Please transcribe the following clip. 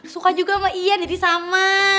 suka juga sama iya jadi sama